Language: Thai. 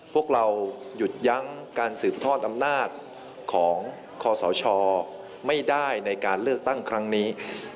พวกเราหยุดยั้งการสืบทอดอำนาจของคอสชไม่ได้ในการเลือกตั้งครั้งนี้